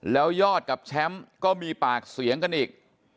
แล้วยอดกับแชมป์ก็มีปากเสียงกันอีก